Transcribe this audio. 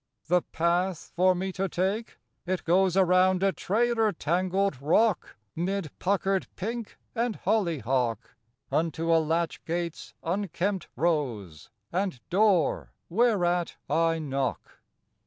The path for me to take? It goes Around a trailer tangled rock, 'Mid puckered pink and hollyhock, Unto a latch gate's unkempt rose, And door whereat I knock.